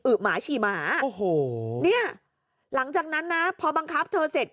หมาฉี่หมาโอ้โหเนี่ยหลังจากนั้นนะพอบังคับเธอเสร็จ